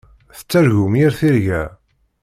Tettargum yir tirga.